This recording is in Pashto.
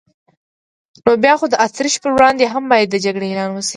نو بیا خو د اتریش پر وړاندې هم باید د جګړې اعلان وشي.